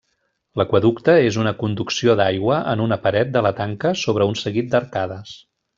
L'aqüeducte és una conducció d'aigua en una paret de la tanca sobre un seguit d'arcades.